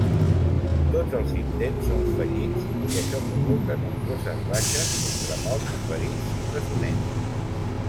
Tots els intents són fallits, i això provoca nombroses baixes, entre morts, ferits i presoners.